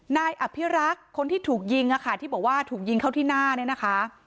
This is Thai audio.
นายอภิรักษ์คนที่ถูกยิงที่บอกว่าถูกยิงเข้าที่หน้าเนี่ยนะคะ